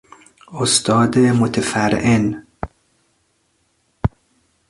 استاد متفرعن